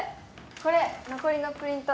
これ残りのプリント。